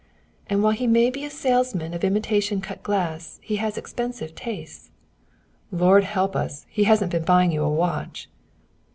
"And while he may be a salesman of imitation cut glass, he has expensive tastes." "Lord help us, he hasn't been buying you a watch?"